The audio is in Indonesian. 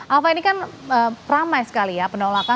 alvan ini kan ramai sekali ya